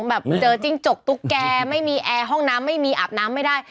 แบบเจอจิ้งจกตุ๊กแกไม่มีแอร์ห้องน้ำไม่มีอาบน้ำไม่ได้